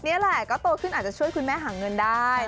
นี่แหละก็โตขึ้นอาจจะช่วยคุณแม่หาเงินได้